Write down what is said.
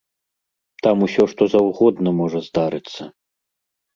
Там усё што заўгодна можа здарыцца.